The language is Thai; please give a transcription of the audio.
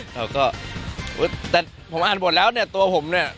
เขาก็แต่ผมอ่านบทแล้วเนี่ยตัวผมเนี่ย